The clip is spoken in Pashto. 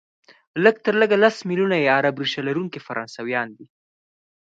لږ تر لږه لس ملیونه یې عرب ریشه لرونکي فرانسویان دي،